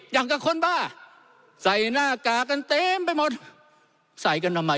อย่างกับคนบ้าใส่หน้ากากกันเต็มไปหมดใส่กันทำไม